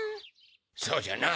そうじゃな。